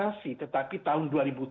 masih tetapi tahun dua ribu tujuh belas